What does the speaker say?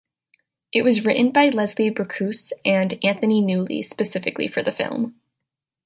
It was written by Leslie Bricusse and Anthony Newley specifically for the film.